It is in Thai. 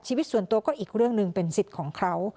ชีวิตส่วนตัวก็อีกเรื่องหนึ่งเป็นสิทธิ์ของเขา